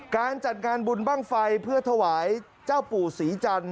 การจัดงานบุญบ้างไฟเพื่อถวายเจ้าปู่ศรีจันทร์